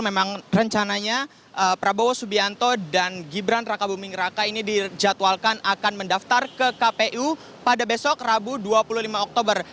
memang rencananya prabowo subianto dan gibran raka buming raka ini dijadwalkan akan mendaftar ke kpu pada besok rabu dua puluh lima oktober